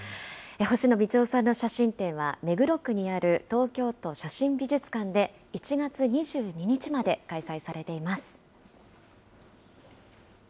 星野道夫さんの写真展は、目黒区にある東京都写真美術館で、１月２２日まで開催されています。